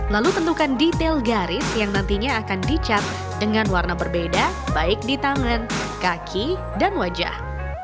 lalu tentukan detail garis yang nantinya akan dicat dengan warna berbeda baik di tangan kaki dan wajah